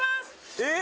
えっ？